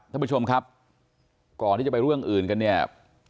ท่านผู้ชมครับก่อนที่จะไปเรื่องอื่นกันเนี่ย